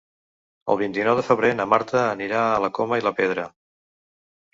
El vint-i-nou de febrer na Marta anirà a la Coma i la Pedra.